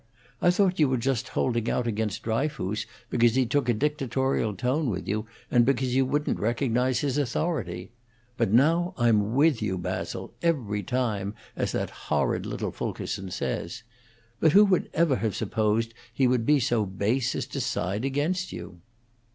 I thought you were just holding out against Dryfoos because he took a dictatorial tone with you, and because you wouldn't recognize his authority. But now I'm with you, Basil, every time, as that horrid little Fulkerson says. But who would ever have supposed he would be so base as to side against you?"